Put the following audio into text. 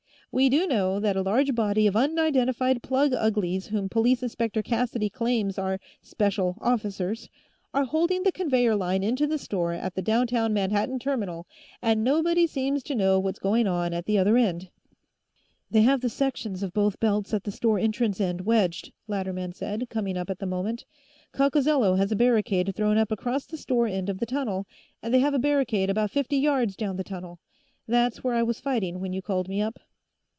We do know that a large body of unidentified plug uglies whom Police Inspector Cassidy claims are 'special officers' are holding the conveyor line into the store at the downtown Manhattan terminal, and nobody seems to know what's going on at the other end " "They have the sections of both belts at the store entrance end wedged," Latterman said, coming up at the moment. "Coccozello has a barricade thrown up across the store end of the tunnel, and they have a barricade about fifty yards down the tunnel. That's where I was fighting when you called me up."